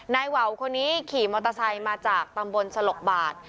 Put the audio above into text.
ว่าวคนนี้ขี่มอเตอร์ไซค์มาจากตำบลสลกบาท